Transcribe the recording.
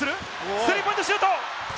スリーポイントシュート！